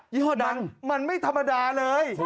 ี่ห้อดังมันไม่ธรรมดาเลย